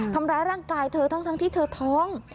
ทำร้ายร่างกายเธอทั้งที่เธอท้อง